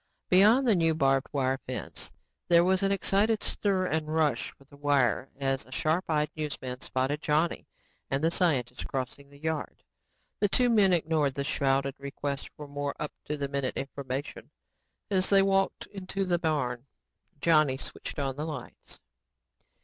Beyond the new barbed wire fence, there was an excited stir and rush for the wire as a sharp eyed newsman spotted Johnny and the scientist crossing the yard. The two men ignored the shouted requests for more up to the minute information as they walked into the barn. Johnny switched on the lights.